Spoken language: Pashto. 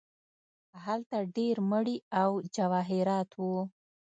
هلته ډیر مړي او جواهرات وو.